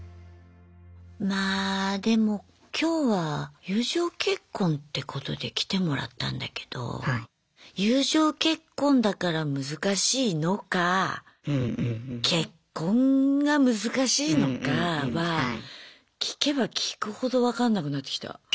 まあでも今日は友情結婚ってことで来てもらったんだけど友情結婚だから難しいのか結婚が難しいのかは聞けば聞くほど分かんなくなってきた。